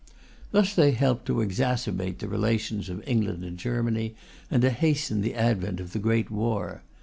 Thus they helped to exacerbate the relations of England and Germany and to hasten the advent of the Great War.